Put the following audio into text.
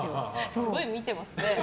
すごい見てますね。